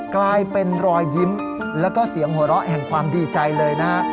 กลายเป็นรอยยิ้มแล้วก็เสียงหัวเราะแห่งความดีใจเลยนะฮะ